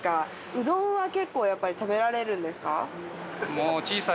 うどんは結構やっぱり食べられるんですか？